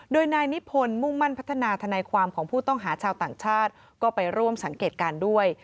โดยนายนิพนธ์มุ่งมั่นพัฒนาทนายความของผู้ต้องหาชาวต่างชาติก็ไปร่วมสังเกตการณ์ด้วย